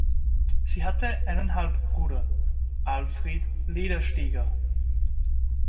Sie hatte einen Halbbruder: Alfred Ledersteger.